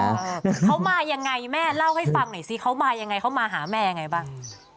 เขามายังไงแม่เล่าให้ฟังหน่อยสิเขามายังไงเขามาหาแม่ยังไงบ้าง